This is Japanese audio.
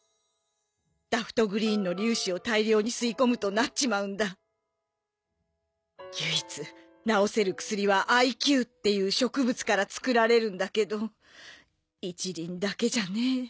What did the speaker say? ダフトグリーンの粒子を大量に吸い込むとなっちまうんだ唯一治せる薬はＩＱっていう植物から作られるんだけど一輪だけじゃねぇ